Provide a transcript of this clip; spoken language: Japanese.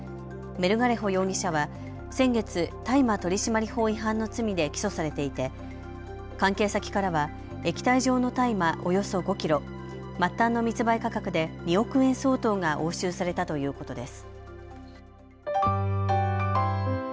メルガレホ容疑者は先月、大麻取締法違反の罪で起訴されていて関係先からは液体状の大麻およそ５キロ、末端の密売価格で２億円相当が押収されたということです。